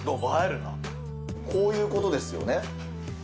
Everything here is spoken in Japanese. こういうことですよね。